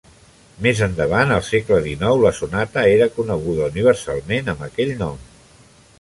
Més endavant al segle XIX, la sonata era coneguda universalment amb aquell nom.